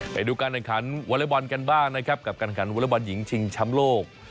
ไปดูการแข่งขันวัลบอลกันบ้างนะครับกับการแข่งขันวัลบอลหญิงชิงชำโลก